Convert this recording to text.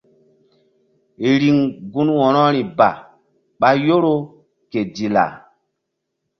Riŋ gun wo̧rori ba ɓa yoro ke dilla.